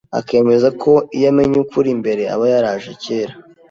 akemeza ko iyo amenya ukuri mbere aba yaraje kera.